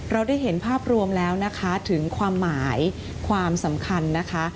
เราได้เห็นภาพรวมแล้วนะคะถึงความหมายความสำคัญนะคะ